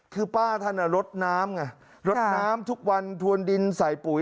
คือป้าท่านลดน้ำไงลดน้ำทุกวันทวนดินใส่ปุ๋ย